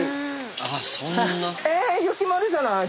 よきまるじゃない？